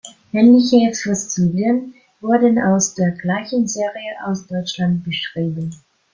Ähnliche Fossilien wurden aus der gleichen Serie aus Deutschland beschrieben.